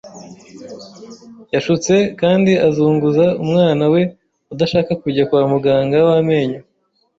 Yashutse kandi azunguza umwana we udashaka kujya kwa muganga w’amenyo.